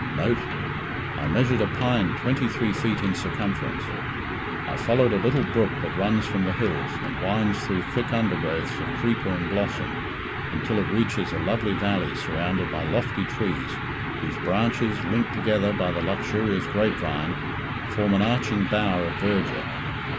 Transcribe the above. Note: I measured a pine twenty three feet in circumference. I followed a little brook that runs from the hills, and winds through thick undergrowths of creeper and blossom, until it reaches a lovely valley surrounded by lofty trees, whose branches, linked together by the luxurious grape vine, form an arching bower of verdure.